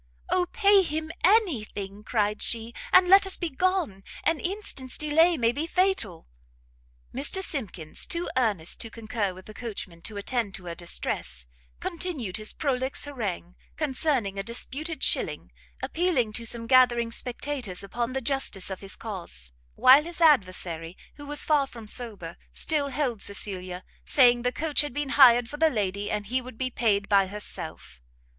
"O pay him any thing!" cried she, "and let us be gone! an instant's delay may be fatal!" Mr Simkins, too earnest to conquer the coachman to attend to her distress, continued his prolix harangue concerning a disputed shilling, appealing to some gathering spectators upon the justice of his cause; while his adversary, who was far from sober, still held Cecilia, saying the coach had been hired for the lady, and he would be paid by herself.